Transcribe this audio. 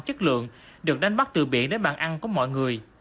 chất lượng được đánh bắt từ biển đến bàn ăn của mọi người